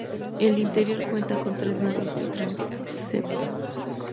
El interior cuenta con tres naves y transepto.